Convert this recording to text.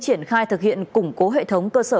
triển khai thực hiện củng cố hệ thống cơ sở